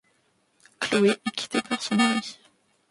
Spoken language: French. Chloé est quittée par son mari.